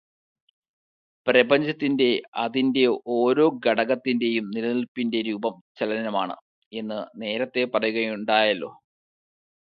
പ്രപഞ്ചത്തിന്റെ, അതിന്റെ ഓരോ ഘടകത്തിന്റെയും നിലനിൽപ്പിന്റെ രൂപം ചലനമാണ് എന്ന് നേരത്തേ പറയുകയുണ്ടായല്ലോ.